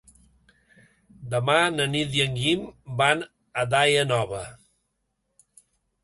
Demà na Nit i en Guim van a Daia Nova.